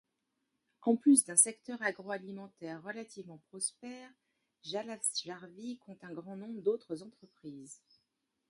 En plus d'un secteur agro-alimentaire relativement prospère, Jalasjärvi compte un grand nombre d'autres entreprises.